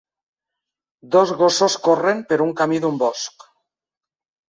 Dos gossos corren per un camí d'un bosc.